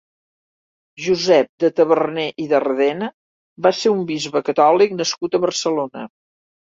Josep de Taverner i d'Ardena va ser un bisbe catòlic nascut a Barcelona.